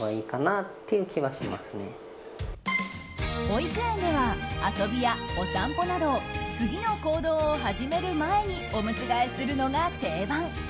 保育園では遊びやお散歩など次の行動を始める前におむつ替えするのが定番。